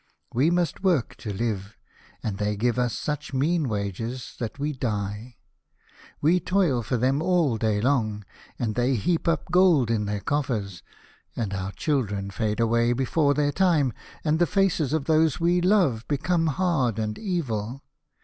We must work to live, and they give us such mean wages that we die. We toil for them all day long, and they heap up gold in their coffers, and our children fade away before their time, and the faces of those we love become hard and evil.